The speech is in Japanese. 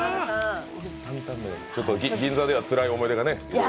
銀座ではつらい思い出がね